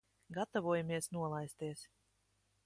Gatavojamies nolaisties.